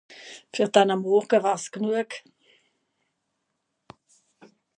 Fer denne Morje wär's genue.